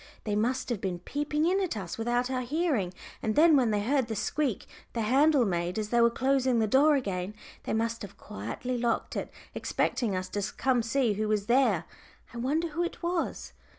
"They must have been peeping in at us without our hearing, and then when they heard the squeak the handle made as they were closing the door again, they must have quietly locked it, expecting us to come to see who was there. I wonder who it was!"